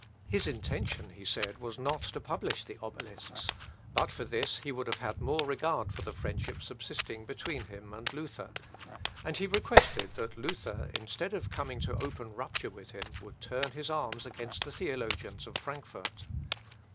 His intention, he said, was not to publish the Obelisks; but for this he would have had more regard for the friendship subsisting between him and Luther; and he requested that Luther, instead of coming to open rupture with him, would turn his arms against the theologians of Frankfort.